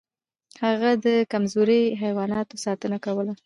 هغه د کمزورو حیواناتو ساتنه کوله.